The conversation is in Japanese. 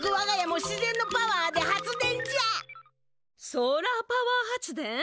・ソーラーパワー発電？